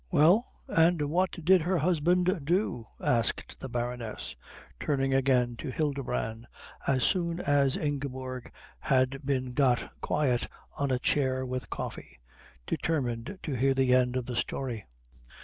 "Well, and what did her husband do?" asked the Baroness, turning again to Hildebrand as soon as Ingeborg had been got quiet on a chair with coffee, determined to hear the end of the story.